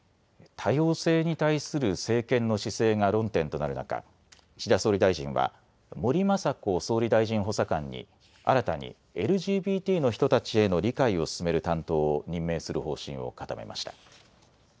多様性に対する政権の姿勢が論点となる中、岸田総理大臣は森まさこ総理大臣補佐官に新たにＬＧＢＴの人たちへの理解を進める担当を任命する方針を固めました。